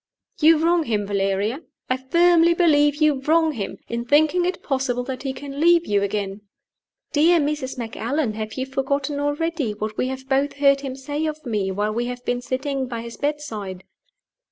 "You wrong him, Valeria I firmly believe you wrong him in thinking it possible that he can leave you again." "Dear Mrs. Macallan, have you forgotten already what we have both heard him say of me while we have been sitting by his bedside?"